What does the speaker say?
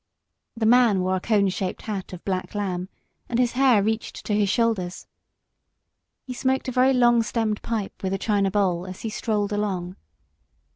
The man wore a cone shaped hat of black lamb and his hair reached to his shoulders. He smoked a very long stemmed pipe with a china bowl, as he strolled along.